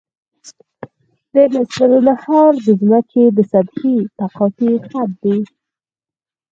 نصف النهار د ځمکې د سطحې د تقاطع خط دی